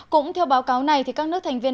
cũng theo báo cáo này các nước thành viên